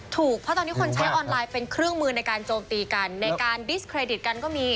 ถูกเพราะตอนนี้คนใช้ออนไลน์เป็นเครื่องมือในการโจมตีกันในการดิสเครดิตกันก็มี